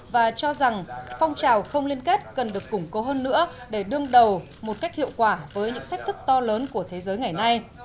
và cho rằng phong trào không liên kết cần được củng cố hơn nữa để đương đầu một cách hiệu quả với những thách thức to lớn của thế giới ngày nay